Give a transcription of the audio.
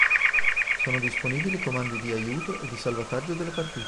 Sono disponibili comandi di aiuto e di salvataggio della partita.